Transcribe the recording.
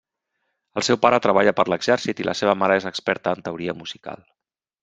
El seu pare treballa per l'exèrcit i la seva mare és experta en teoria musical.